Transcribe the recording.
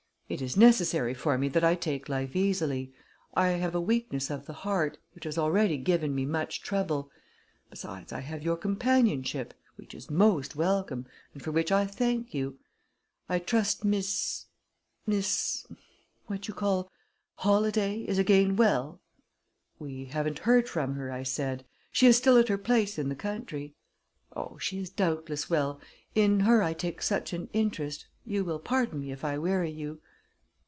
"It is necessary for me that I take life easily. I have a weakness of the heart, which has already given me much trouble. Besides, I have your companionship, which is most welcome, and for which I thank you. I trust Mees Mees what you call Holladay is again well." "We haven't heard from her," I said. "She is still at her place in the country." "Oh, she is doubtless well in her I take such an interest you will pardon me if I weary you."